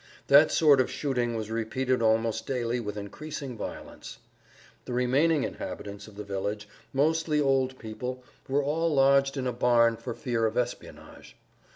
That sort of shooting was repeated almost daily with increasing violence. The remaining inhabitants of the village, mostly old people, were all lodged in a barn for fear of espionage.